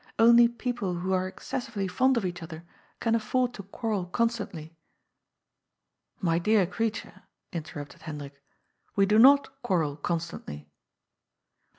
Only people who are excessiyely fond of each other can afford to quarrel constantly." " My dear creature," interrupted Hendrik, " we do not quarrel constantly."